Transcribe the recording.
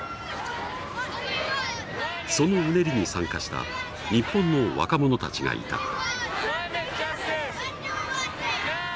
そのうねりに参加した日本の若者たちがいた。